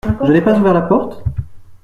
Je n’ai pas ouvert la porte ?